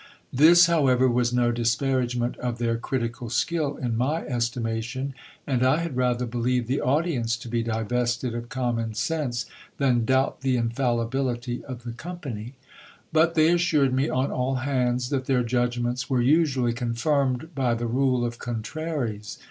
This, however, was no disparagement of their critical skill in my estimation ; and I had rather believe the audience to be divested of common sense, than doubt the infallibility of the company. But they assured me, on all hands, that their judgments were usually confirmed by the rule of contraries.